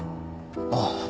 ああ。